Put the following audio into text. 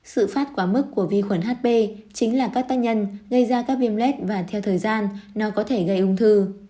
sự phát quá mức của vi khuẩn hb chính là các tác nhân gây ra các viêm lết và theo thời gian nó có thể gây ung thư